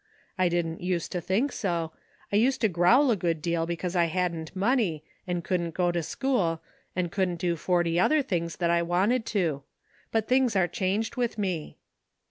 I didn't use to think so. I used to growl a good deal because I hadn't money, and couldn't go to school, and couldn't do forty other things that I wanted to. But things are changed with me."